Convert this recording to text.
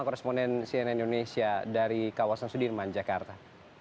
koresponden cnn indonesia dari kawasan sudirman jakarta